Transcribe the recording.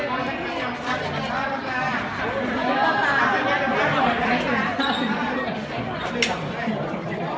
ขอบคุณแม่ก่อนต้องกลางนะครับ